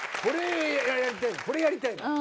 これやりたいの。